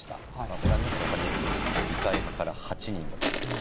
ご覧になって分かるように、二階派から８人も出ています。